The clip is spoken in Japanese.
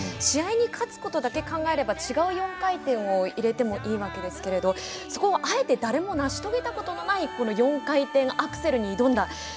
試合に勝つことだけ考えれば違う４回転を入れてもいいわけですがそこをあえて誰も成し遂げたことのない４回転アクセルに挑んだ。